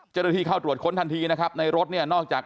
เจรธีเข้าตรวจค้นทันทีนะครับ